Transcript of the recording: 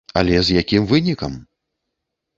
Але з якім вынікам!